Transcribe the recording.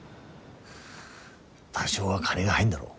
多少は金が入んだろう